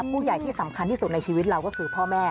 ที่สำคัญที่สุดในชีวิตเราก็คือพ่อแม่